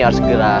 untuk memberi saya